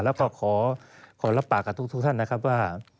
แล้วก็ขอรับปากกับทุกท่านนะครับว่า